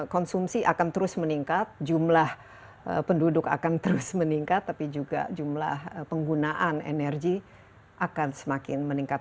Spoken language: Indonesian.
konsumsi akan terus meningkat jumlah penduduk akan terus meningkat tapi juga jumlah penggunaan energi akan semakin meningkat